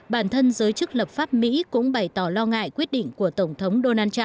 bản thân giới chức lập pháp mỹ cũng bày tỏ lo ngại quyết định của tổng thống donald trump